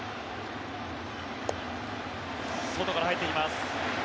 外から入っていきます。